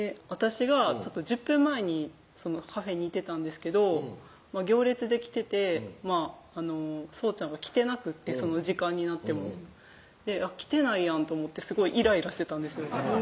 私が１０分前にそのカフェにいてたんですけど行列できててそうちゃんは来てなくってその時間になっても来てないやんと思ってすごいイライラしてたんですよ